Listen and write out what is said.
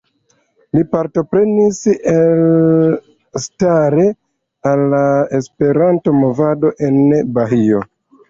Li partoprenis elstare al la Esperanto-movado en Bahio.